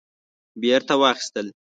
بیرته واخیستل